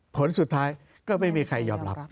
ผลสุดท้ายก็ไม่มีใครยอมรับ